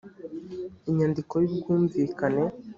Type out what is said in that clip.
inyandiko y ubwumvikane